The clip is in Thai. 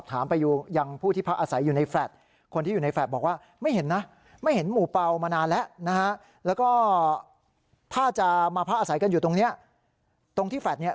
ถ้าจะมาพระอาศัยกันอยู่ตรงเนี้ยตรงที่แฟลดเนี้ย